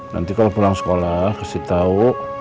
nanti kalau pulang sekolah kasih tahu